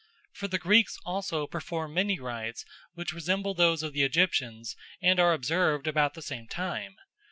For the Greeks also perform many rites which resemble those of the Egyptians and are observed about the same time.